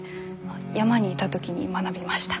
山にいた時に学びました。